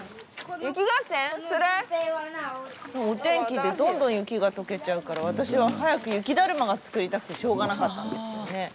スタジオお天気でどんどん雪が解けちゃうから私は早く雪だるまが作りたくてしょうがなかったんですけどね。